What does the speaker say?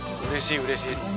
うれしいうれしい。